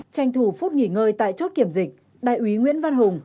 tranh thủ phút nghỉ ngơi tại chốt kiểm dịch đại úy nguyễn văn hùng